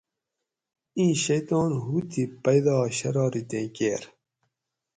ایں شیطان ھو تھی پیدا شرارتیں کیر